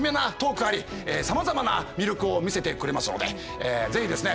さまざまな魅力を見せてくれますので是非ですね